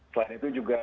selain itu juga